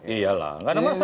iyalah nggak ada masalah ini